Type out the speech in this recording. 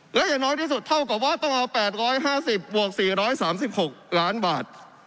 และอย่างน้อยที่สุดเท่ากับว่าต้องเอา๘๕๐บวก๔๓๖ล้านบาท